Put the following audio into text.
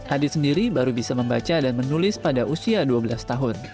adit sendiri baru bisa membaca dan menulis pada usia dua belas tahun